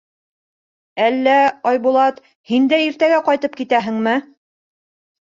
— Әллә, Айбулат, һин дә иртәгә ҡайтып китәһеңме?